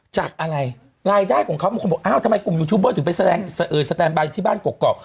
จากอะไรรายได้ของเขาบางคนบอกอ้าวทำไมกลุ่มยูทูบเบอร์ถึงไปแสดงสแตนบายอยู่ที่บ้านกรอก